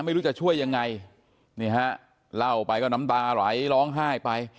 ไม่รู้จะช่วยยังไงนี่ฮะเล่าไปก็น้ำตาไหลร้องไห้ไป